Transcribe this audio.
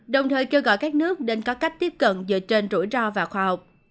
đồng thời kêu gọi các nước nên có cách tiếp cận dựa trên rủi ro và khoa học